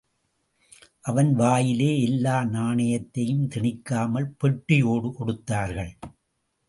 அவன் வாயிலே எல்லா நாணயத்தையும் திணிக்காமல், பெட்டியோடு கொடுத்தார்கள்.